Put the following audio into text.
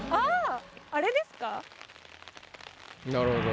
なるほど。